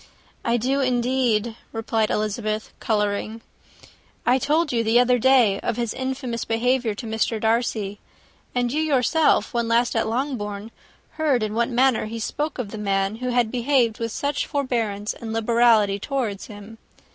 "I do, indeed," replied Elizabeth, colouring. "I told you the other day of his infamous behaviour to Mr. Darcy; and you, yourself, when last at Longbourn, heard in what manner he spoke of the man who had behaved with such forbearance and liberality towards him.